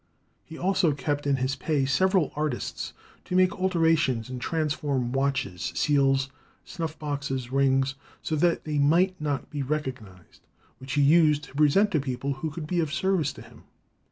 He also kept in his pay several artists to make alterations and transform watches, seals, snuff boxes, rings, so that they might not be recognized, which he used to present to people who could be of service to him.